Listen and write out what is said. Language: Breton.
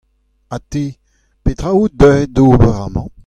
Ha te, petra out deuet d’ober amañ ?